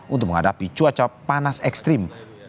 untuk menghadapi cuaca panas ekstrim